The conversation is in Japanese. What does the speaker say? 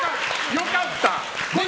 良かった。